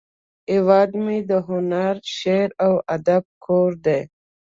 هیواد مې د هنر، شعر، او ادب کور دی